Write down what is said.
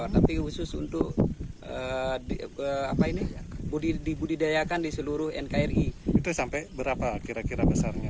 tapi khusus untuk di apa ini budi dibudidayakan di seluruh nkri itu sampai berapa kira kira besarnya